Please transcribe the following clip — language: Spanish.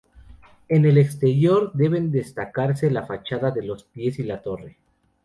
En el exterior deben destacarse la fachada de los pies y la torre.